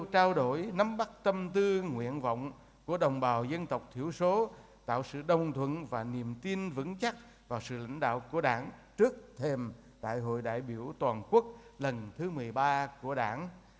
trao đổi nắm bắt tâm tư nguyện vọng của đồng bào dân tộc thiểu số tạo sự đồng thuận và niềm tin vững chắc vào sự lãnh đạo của đảng trước thềm đại hội đại biểu toàn quốc lần thứ một mươi ba của đảng